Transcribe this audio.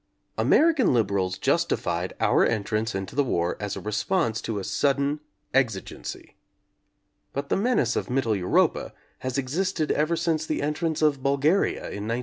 American liberals justified our entrance into the war as a response to a sudden exigency. But the menace of Mittel Europa has existed ever since the entrance of Bulgaria in 1915.